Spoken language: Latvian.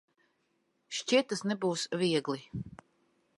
Šķiet, tas nebūs viegli.